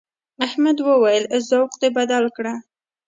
احمد وويل: ذوق دې بدل کړه.